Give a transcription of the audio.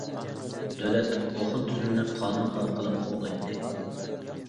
دۆلەت بۇ خىل تۈزۈمنى قانۇن ئارقىلىق قوغدايتتى.